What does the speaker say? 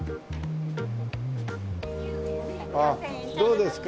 あっどうですか？